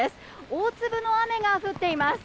大粒の雨が降っています。